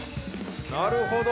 ◆なるほど。